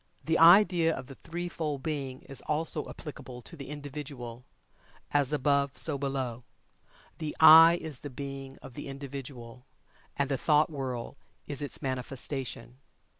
This idea of the threefold Being is also applicable to the Individual "as above so below." The "I" is the Being of the Individual, and the thought world is its manifestation.